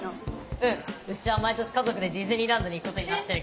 うんうちは毎年家族でディズニーランドに行くことになってるから。